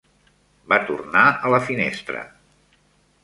Va tornar a la finestra.